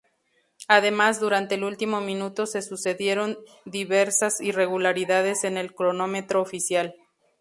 Además, durante el último minuto se sucedieron diversas irregularidades en el cronómetro oficial.